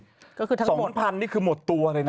แต่เขาก็๒๐๐๐ดูดิ๒๐๐๐นี่คือหมดตัวเลยนะ